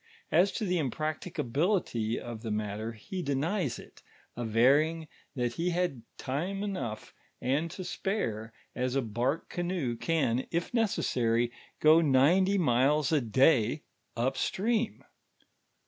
As to the impracticability of the mat ter, he denies it, averring that he had time enough and to spare, as a bnrk canoe can, if necessory, go ninety miles a day up streani